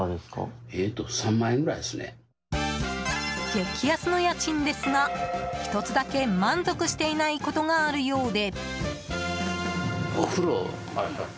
激安の家賃ですが１つだけ満足していないことがあるようで。